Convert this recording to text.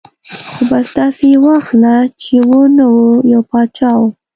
ـ خو بس داسې یې واخله چې و نه و ، یو باچا و.